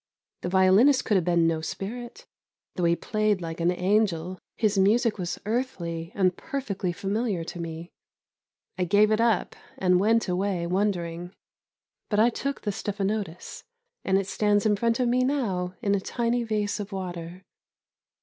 The violinist could have been no spirit; though he played like an angel, his music was earthly, and perfectly familiar to me. I gave it up and went away, wondering; but I took the stephanotis, and it stands in front of me now in a tiny vase of water.